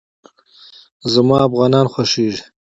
زما افغانان خوښېږي